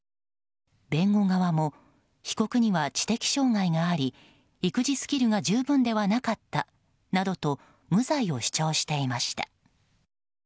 弁護側も被告には知的障害があり育児スキルが十分ではなかったなどと無罪を主張していました。